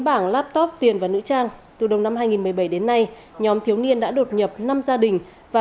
bảng laptop tiền và nữ trang từ đầu năm hai nghìn một mươi bảy đến nay nhóm thiếu niên đã đột nhập năm gia đình và